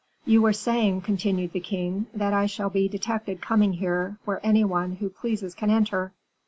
"You were saying," continued the king, "that I shall be detected coming here, where any one who pleases can enter."